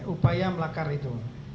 upaya melakar itu